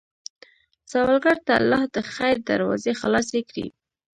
سوالګر ته الله د خیر دروازې خلاصې کړې